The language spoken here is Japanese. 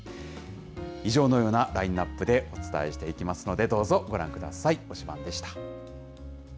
以上のようなラインナップでお伝えしていきますので、どうぞご覧ください。